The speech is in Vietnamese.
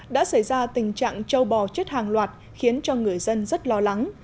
đã xảy ra tình trạng châu bò chết hàng loạt khiến cho người dân rất lo lắng